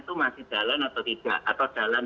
itu masih jalan atau tidak atau jalan